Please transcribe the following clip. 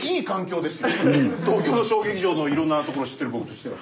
東京の小劇場のいろんなところ知ってる僕としては。